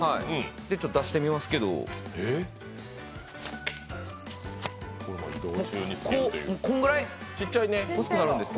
出してみますけどこんぐらい。